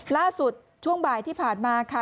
ล่าสุดช่วงบ่ายที่ผ่านมาค่ะ